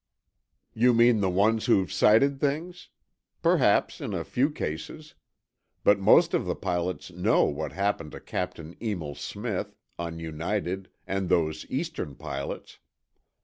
"You mean the ones who've sighted things? Perhaps, in a few cases. But most of the pilots know what happened to Captain Emil Smith, on United, and those Eastern pilots.